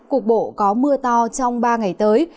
cục bộ có mưa to trong ba ngày tới